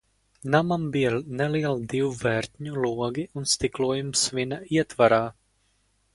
Namam bija nelieli divu vērtņu logi ar stiklojumu svina ietvarā.